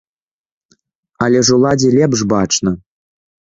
Але ж уладзе лепш бачна!